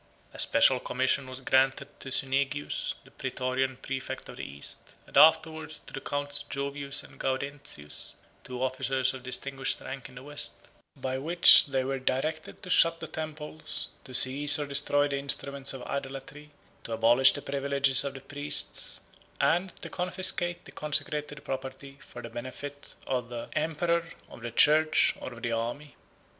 A special commission was granted to Cynegius, the Prætorian præfect of the East, and afterwards to the counts Jovius and Gaudentius, two officers of distinguished rank in the West; by which they were directed to shut the temples, to seize or destroy the instruments of idolatry, to abolish the privileges of the priests, and to confiscate the consecrated property for the benefit of the emperor, of the church, or of the army.